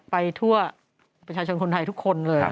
ไปทั่วประชาชนคนไทยทุกคนเลย